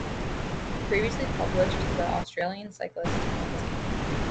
It previously published the "Australian Cyclist" magazine.